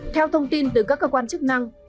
theo thông tin từ các cơ quan chức năng